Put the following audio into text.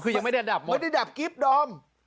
อ้อคือมันไม่ได้ขาดคาดไม๊ดรับกริปดอม